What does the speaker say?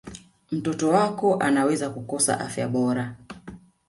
mtoto wako anaweza kukosa afya bora